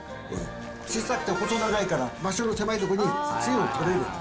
小さくて細長いから、場所の狭いとこにつゆを取れる。